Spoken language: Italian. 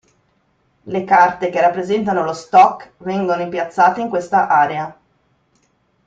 Le carte che rappresentano lo "Stock" vengono piazzate in questa area.